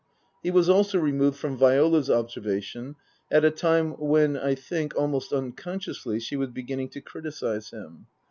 He was also removed from Viola's observation at a time when I think, almost unconsciously, she was beginning to criticize him.